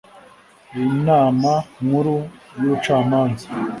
inama nkuru y'ubucamanza